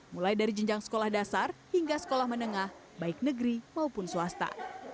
mulai dari jenjang sekolah dasar hingga sekolah menengah baik negeri maupun swasta